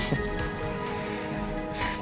gak perlu ngeles